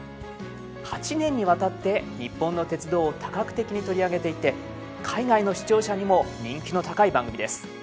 ８年にわたって日本の鉄道を多角的に取り上げていて海外の視聴者にも人気の高い番組です。